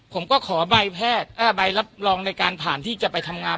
ขอใบแพทย์ใบรับรองในการผ่านที่จะไปทำงาน